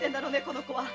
この子は。